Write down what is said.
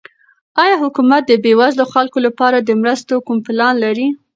آیا حکومت د بېوزلو خلکو لپاره د مرستو کوم پلان لري؟